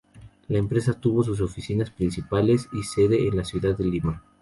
La empresa tuvo sus oficinas principales y sede en la ciudad de Lima.